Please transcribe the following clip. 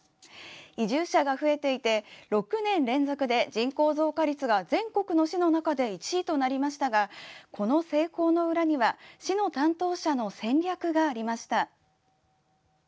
移住者が増えていて６年連続で人口増加率が全国の市の中で１位となりましたがこの成功の裏には市の担当者の戦略がありました。